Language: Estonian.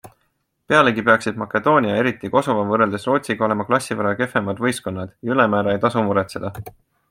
Pealegi peaksid Makedoonia ja eriti Kosovo võrreldes Rootsiga olema klassi võrra kehvemad võistkonnad ja ülemäära ei tasu muretseda.